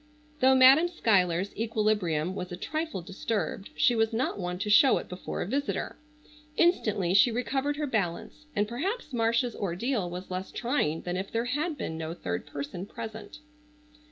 Though Madam Schuyler's equilibrium was a trifle disturbed, she was not one to show it before a visitor. Instantly she recovered her balance, and perhaps Marcia's ordeal was less trying than if there had been no third person present.